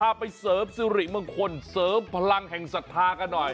ถ้าไปเสิร์ฟสิริเมืองคนเสิร์ฟพลังแห่งศรัทธากันหน่อย